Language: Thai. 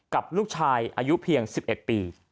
กับลูกชายอายุเพียง๑๑ปี